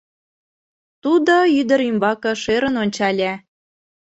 — Тудо ӱдыр ӱмбаке шӧрын ончале.